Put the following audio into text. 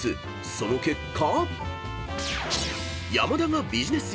［その結果］